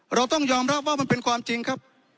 เราต้องยอมรับว่ามันเป็นความจริงครับ